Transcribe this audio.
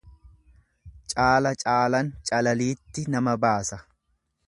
Caala caalan, calaliitti nama baasa.